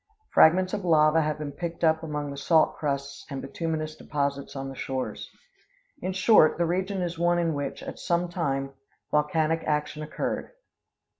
Fragments of lava have been picked up among the salt crusts and bituminous deposits on the shores. In short, the region is one in which, at some time, volcanic action occurred.